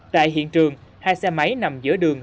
tại hiện trường hai xe máy nằm giữa đường